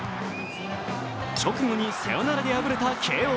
直後にサヨナラで敗れた慶応。